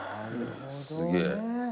すげえ。